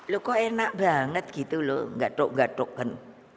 lo kok enak banget gitu loh gatuk gatukkan